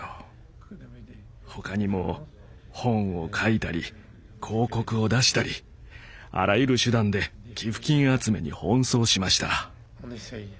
他にも本を書いたり広告を出したりあらゆる手段で寄付金集めに奔走しました。